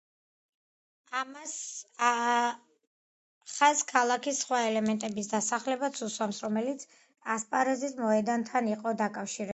ამას ხაზს ქალაქის სხვა ელემენტების დასახელებაც უსვამს, რომელიც ასპარეზის მოედანთან იყო დაკავშირებული.